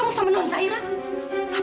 mereka akan semangat dan puas